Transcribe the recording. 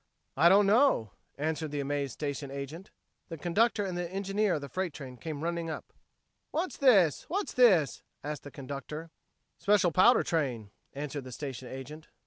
"I don't know," answered the amazed station agent. The conductor and the engineer of the freight train came running up. "What's this what's this?" asked the conductor. "Special powder train," answered the station agent.